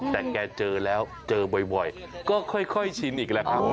แต่แกเจอแล้วเจอบ่อยก็ค่อยชินอีกแล้วครับ